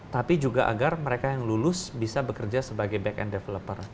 tapi juga agar mereka yang lulus bisa bekerja sebagai back and developer